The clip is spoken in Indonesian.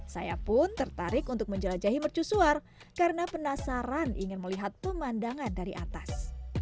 saya pun tertarik untuk menjelajahi mercusuar karena penasaran ingin melihat pemandangan dari atas